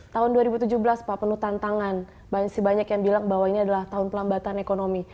tahun dua ribu tujuh belas pak penuh tantangan banyak yang bilang bahwa ini adalah tahun pelambatan ekonomi